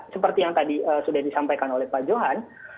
seperti yang tadi sudah disampaikan oleh pak johan